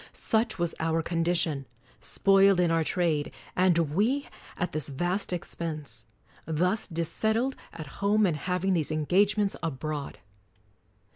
Such was our condition : spoiled in our trade, and we at this vast expense ; thus dissettled at home, and having these engagements abroad.